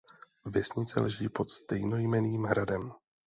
Vesnice leží pod stejnojmenným hradem.